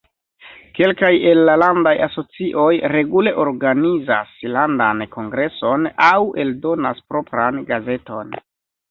Kelkaj el la landaj asocioj regule organizas landan kongreson aŭ eldonas propran gazeton.